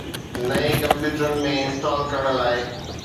نئين ڪمپيوٽرن ۾ انسٽال ڪرڻ لاء